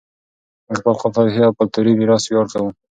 موږ په خپل تاریخي او کلتوري میراث ویاړ کوو.